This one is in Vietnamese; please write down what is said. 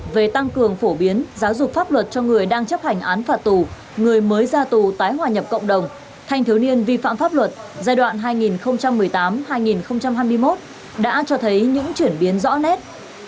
về tăng cường phổ biến giáo dục pháp luật cho người đang chấp hành án phạt tù người mới ra tù tái hòa nhập cộng đồng thanh thiếu niên vi phạm pháp luật giai đoạn hai nghìn một mươi tám hai nghìn hai mươi một đã cho thấy những chuyển biến rõ nét